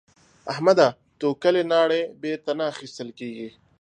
احمده؛ توکلې ناړې بېرته نه اخيستل کېږي.